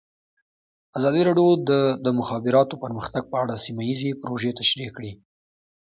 ازادي راډیو د د مخابراتو پرمختګ په اړه سیمه ییزې پروژې تشریح کړې.